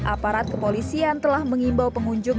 aparat kepolisian telah mengimbau pengunjung